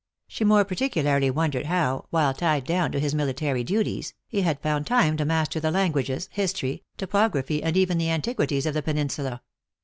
She more particularly wondered how, while tied down to his military duties, he had found time to master the languages, history, topog raphy, and even the antiquities of the peninsula.